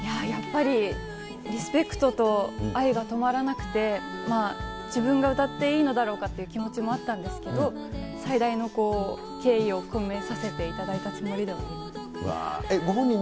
やっぱりリスペクトと愛が止まらなくて、自分が歌っていいのだろうかという気持ちもあったんですけど、最大の敬意を込めさせていただいたつもりではあります。